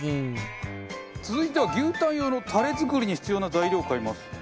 続いては牛タン用のタレ作りに必要な材料を買います。